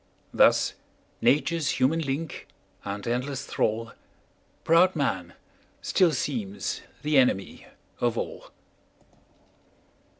Thus nature's human link and endless thrall, Proud man, still seems the enemy of all.